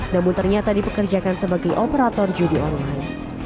namun ternyata dipekerjakan sebagai operator judi online